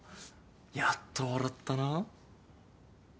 やっと笑ったな。